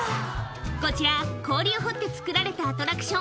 こちら氷を掘って作られたアトラクション